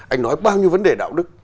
anh nói bao nhiêu vấn đề đạo đức